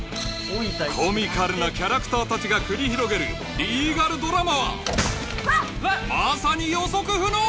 コミカルなキャラクター達が繰り広げるリーガルドラマはまさに予測不能！